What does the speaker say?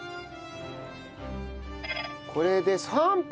これで３分。